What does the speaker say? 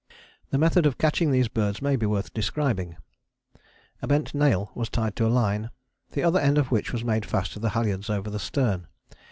The method of catching these birds may be worth describing. A bent nail was tied to a line, the other end of which was made fast to the halyards over the stern.